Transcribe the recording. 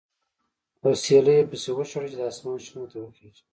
اوسیلی یې پسې وشاړه چې د اسمان شنو ته وخېژي.